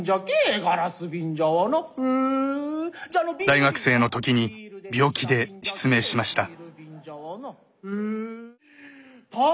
大学生のときに病気で失明しました。